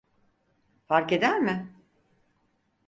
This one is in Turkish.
Farkeder mi?